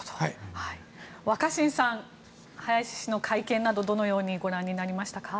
若新さん、林氏の会見などどのようにご覧になりましたか？